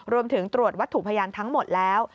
รวมถึงตรวจวัตถุพยานทั้งหมดแล้ว